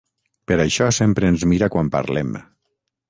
Per això sempre ens mira quan parlem.